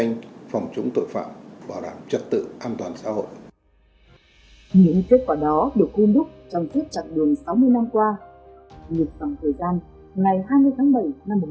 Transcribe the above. nhưng trong thời gian ngày hai mươi tháng bảy năm một nghìn chín trăm sáu mươi hai